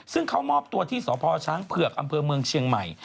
ซึ่งเขามอบตัวที่สพช้างเผือกอำเภอเมืองเชียงใหม่